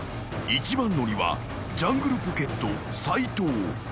［一番乗りはジャングルポケット斉藤］